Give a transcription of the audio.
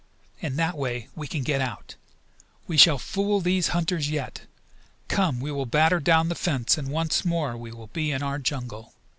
In that way we can get out. We shall fool these hunters yet. Come, we will batter down the fence and once more we will be in our jungle!"